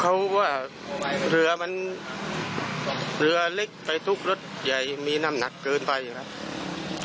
เขาว่าเหลือมันเหลือเล็กไปทุกรถใหญ่มีน้ำหนักเกินไปครับ